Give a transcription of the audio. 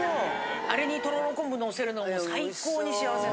あれにとろろ昆布のせるの最高に幸せ。